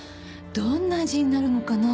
どんな味になるのかな？